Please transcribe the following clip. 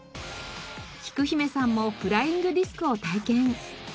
きく姫さんもフライングディスクを体験。